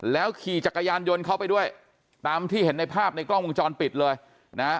ขี่จักรยานยนต์เข้าไปด้วยตามที่เห็นในภาพในกล้องวงจรปิดเลยนะฮะ